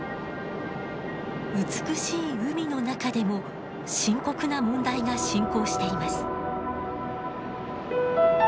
美しい海の中でも深刻な問題が進行しています。